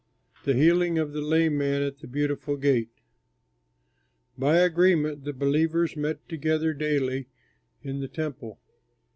THE HEALING OF THE LAME MAN AT THE BEAUTIFUL GATE By agreement the believers met together daily in the Temple.